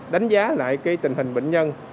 đánh giá lại tình hình bệnh nhân